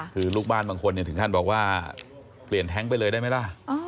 คือลูกบ้านบางคนถึงขั้นบอกว่าเปลี่ยนแท็งค์ไปเลยได้ไหมล่ะ